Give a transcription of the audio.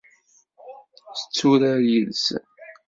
Tetturar yid-sen.